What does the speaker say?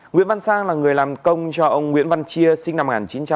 nguyễn văn sang là người làm công cho ông nguyễn văn chia sinh năm một nghìn chín trăm tám mươi